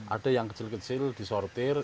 ada yang kecil kecil disortir